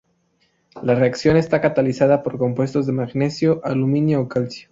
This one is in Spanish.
La reacción está catalizada por compuestos de magnesio, aluminio o calcio.